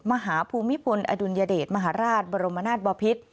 ภูมิพลอดุลยเดชมหาราชบรมนาศบอพิษ